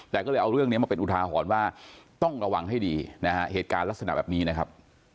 แต่ก็เลยเอาเรื่องนี้มาเป็นอุทาหรณ์ว่าต้องระวังให้ดีนะฮะเหตุการณ์ลักษณะแบบนี้นะครับ